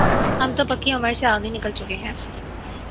ہم تو پکی عمر سے آگے نکل چکے ہیں۔